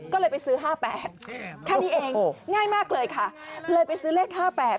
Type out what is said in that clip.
ก็เลยไปซื้อ๕๘แค่นี้เองง่ายมากเลยค่ะเลยไปซื้อเลข๕๘